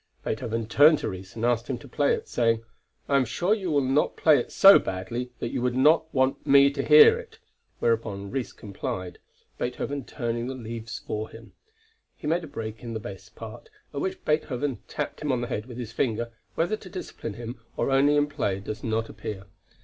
Beethoven turned to Ries and asked him to play it, saying: "I am sure you will not play it so badly that you would not want me to hear it," whereupon Ries complied, Beethoven turning the leaves for him. He made a break in the bass part, at which Beethoven tapped him on the head with his finger, whether to discipline him or only in play does not appear.